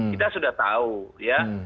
kita sudah tahu ya